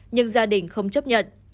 nhưng gia đình không chấp nhận